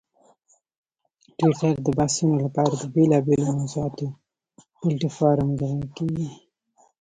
ټویټر د بحثونو لپاره د بېلابېلو موضوعاتو پلیټفارم ګڼل کېږي.